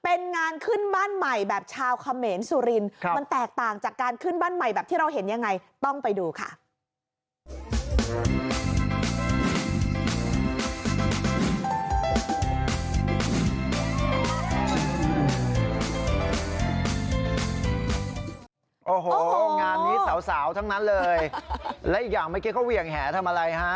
โอ้โหงานนี้สาวทั้งนั้นเลยแล้วอีกอย่างเมื่อกี้เขาเหวี่ยงแห่ทำอะไรฮะ